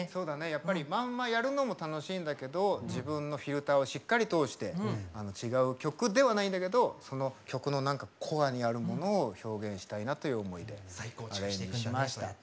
やっぱりまんまやるのも楽しいんだけど自分のフィルターをしっかり通して違う曲ではないんだけどその曲の何かコアにあるものを表現したいなという思いでアレンジしました。